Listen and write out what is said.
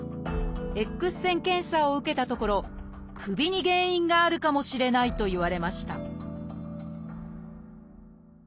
Ｘ線検査を受けたところ首に原因があるかもしれないと言われました